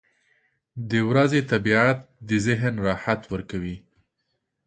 • د ورځې طبیعت د ذهن راحت ورکوي.